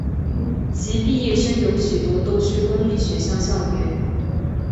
其毕业生有许多都是公立学校教员。